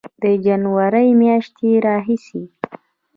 د جنورۍ میاشتې راهیسې